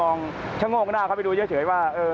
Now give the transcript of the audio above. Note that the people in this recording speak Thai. เข้าไปยืนมองชะโงงกับหน้าเข้าไปดูเยอะเฉยว่า